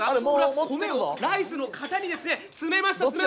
これは米をライスの型にですね詰めました